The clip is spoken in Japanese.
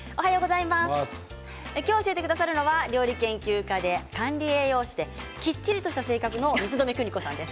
今日教えてくださるのは料理研究家で、管理栄養士できっちりとした性格の満留邦子さんです。